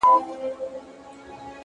صبر د نامناسب وخت زیان کموي,